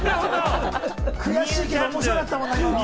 悔しいけれども面白かったもんな、今の。